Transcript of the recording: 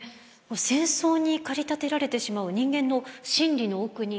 戦争に駆り立てられてしまう人間の心理の奥に何があるのか。